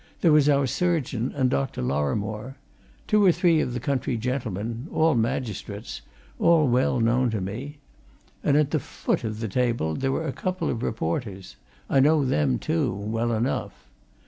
There was our surgeon and Dr. Lorrimore. Two or three of the country gentlemen all magistrates; all well known to me. And at the foot of the table there were a couple of reporters: I know them, too, well enough.